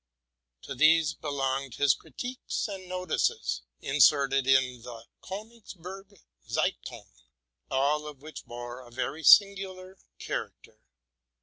To these belonged his critiques and notices, inserted in the '' Konigsberg Zeitung,'' all of which bore a very singular character.